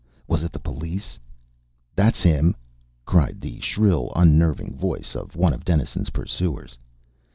Was it the police? "That's him!" cried the shrill, unnerving voice of one of Dennison's pursuers.